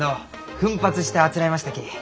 奮発してあつらえましたき。